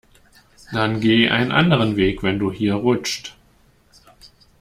Dann geh einen anderen Weg, wenn du hier rutscht.